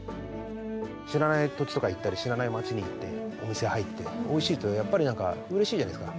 知らない土地とか行ったり、知らない町に行って、お店入って、おいしいとやっぱり、なんかうれしいじゃないですか。